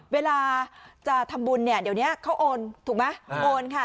เวลาจะทำบุญเนี่ยเดี๋ยวนี้เขาโอนถูกไหมโอนค่ะ